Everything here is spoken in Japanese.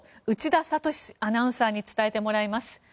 内田智之アナウンサーに伝えてもらいます。